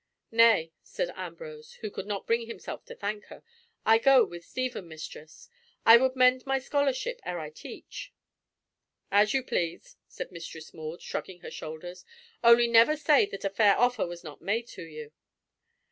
"Nay," said Ambrose, who could not bring himself to thank her, "I go with Stephen, mistress; I would mend my scholarship ere I teach." "As you please," said Mistress Maud, shrugging her shoulders, "only never say that a fair offer was not made to you."